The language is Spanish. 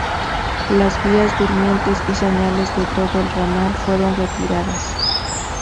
Las vías, durmientes y señales de todo el ramal fueron retiradas.